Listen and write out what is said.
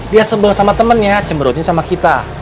dia sebel sama temennya cemberutnya sama kita